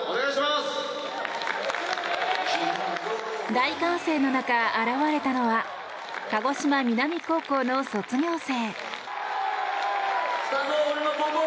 大歓声の中、現れたのは鹿児島南高校の卒業生。